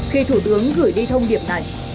khi thủ tướng gửi đi thông điệp này